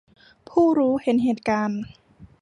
ผู้รู้เห็นเหตุการณ์